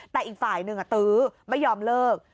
แต่อีกฝ่ายหนึ่งตื้อไม่ยอมเลิก